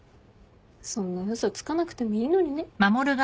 そんな嘘つかなくてもいいのにね。